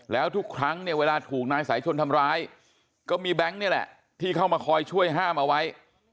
แล้วทุกครั้งเนี่ยเวลาถูกนายสายชนทำร้ายก็มีแบงค์นี่แหละที่เข้ามาคอยช่วยห้ามเอาไว้